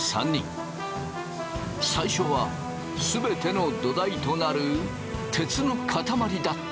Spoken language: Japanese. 最初は全ての土台となる鉄の塊だった。